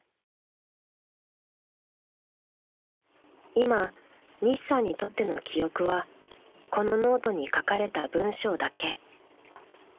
［今西さんにとっての記憶はこのノートに書かれた文章だけ］